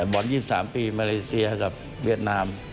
บอล๒๓ปีมาเลเซียกับเวียดนาม